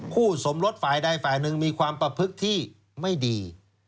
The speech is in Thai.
คู่สมรสฝ่ายใดฝ่ายหนึ่งมีความประพฤติที่ไม่ดี